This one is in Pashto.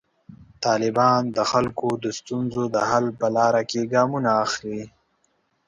طالبان د خلکو د ستونزو د حل په لاره کې ګامونه اخلي.